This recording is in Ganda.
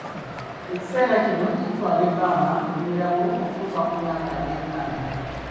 Ekiseera kino kitwala ebbanga eriwerako okutuuka ku myaka nga attano.